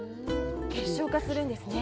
結晶化するんですね。